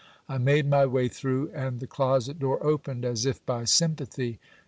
I made my way through, and the closet door opened as if by sympathy.